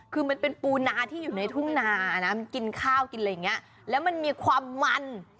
คือมันเป็นปูนาที่อยู่ในทุ่งนานะมันกินข้าวกินอะไรอย่างนี้แล้วมันมีความมัน